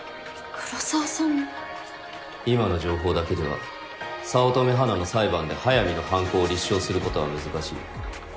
黒澤さんの今の情報だけでは早乙女花の裁判で速水の犯行を立証することは難しい。